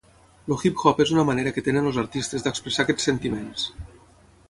El hip-hop és una manera que tenen els artistes d'expressar aquests sentiments.